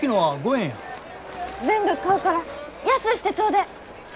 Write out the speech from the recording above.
全部買うから安うしてちょうでえ！